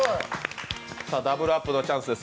ダブルアップのチャンスです。